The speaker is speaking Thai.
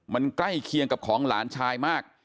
มันใกล้เคียงกับของหลานชายมาก